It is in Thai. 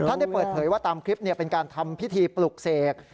ได้เปิดเผยว่าตามคลิปเป็นการทำพิธีปลุกเสก